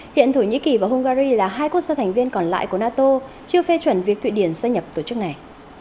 hiện thổ nhĩ kỳ và hungary là hai quốc gia thành viên còn lại của nato chưa phê chuẩn việc thụy điển gia nhập tổ chức này